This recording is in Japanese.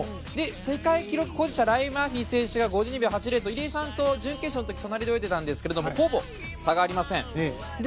世界記録保持者ライアン・マーフィー選手が５２秒８０と入江さんと準決勝の時隣で泳いでいたんですけどほぼ差がありません。